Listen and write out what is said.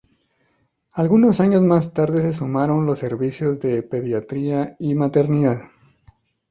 Algunos años más tarde se sumaron los servicios de pediatría y maternidad.